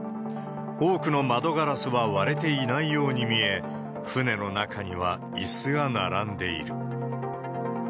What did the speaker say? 多くの窓ガラスは割れていないように見え、船の中にはいすが並んでいる。